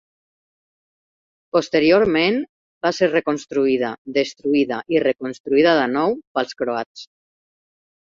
Posteriorment va ser reconstruïda, destruïda i reconstruïda de nou pels croats.